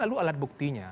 lalu alat buktinya